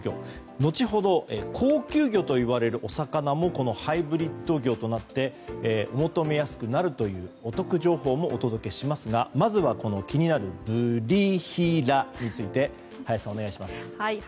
後ほど高級魚といわれるお魚もこのハイブリッド魚となってお求め安くなるというお得情報もお届けしますがまずは気になるブリヒラについて林さん、お願いします。